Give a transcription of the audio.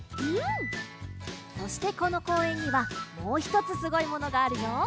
そしてこのこうえんにはもうひとつすごいものがあるよ！